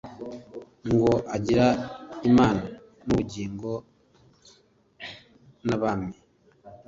Ngo : gira Imana n'ubugingo n'Abami,